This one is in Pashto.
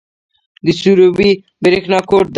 د سروبي بریښنا کوټ دی